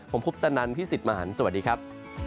ผมพุทธนันทร์พี่สิทธิ์มหาลสวัสดีครับ